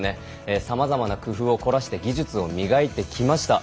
さまざまな工夫を凝らして技術を磨いてきました。